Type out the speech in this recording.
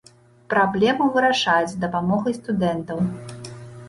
Праблему вырашаюць з дапамогай студэнтаў.